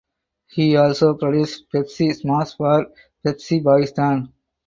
He also produced "Pepsi Smash" for Pepsi Pakistan.